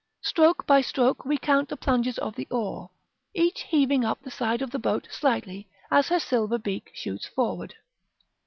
Stroke by stroke we count the plunges of the oar, each heaving up the side of the boat slightly as her silver beak shoots forward.